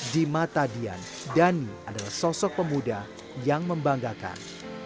di mata dian dhani adalah sosok pemuda yang membanggakan